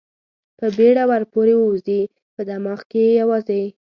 په بېړه ور پورې ووځي، په دماغ کې یې یوازې.